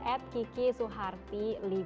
at kiki suharti lima